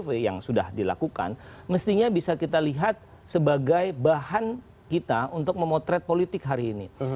survei yang sudah dilakukan mestinya bisa kita lihat sebagai bahan kita untuk memotret politik hari ini